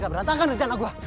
dia berantakan rencana gua